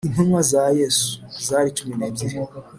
intumwa za yesu zari cumi nebyiri